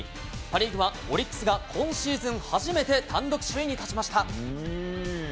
パ・リーグはオリックスが、今シーズン初めて単独首位に立ちました。